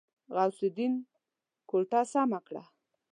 غوث الدين کوټه سمه کړه.